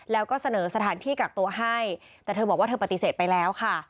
แล้วก็เสนอสถานที่กักตัวให้แต่เธอบอกว่าเธอปฏิเสธไปแล้วค่ะ